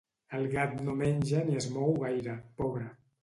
El gat no menja ni es mou gaire, pobre.